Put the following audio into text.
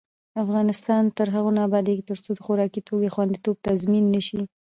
افغانستان تر هغو نه ابادیږي، ترڅو د خوراکي توکو خوندیتوب تضمین نشي.